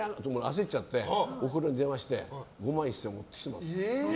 焦っちゃっておふくろに電話して５万１０００円持ってきてもらった。